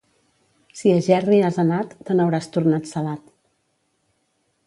Si a Gerri has anat, te n'hauràs tornat salat.